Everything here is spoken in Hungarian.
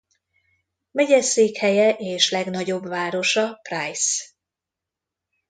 Megyeszékhelye és legnagyobb városa Price.